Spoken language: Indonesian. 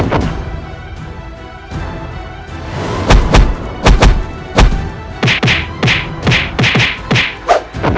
aku akan membuatmu mati